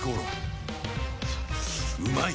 うまい！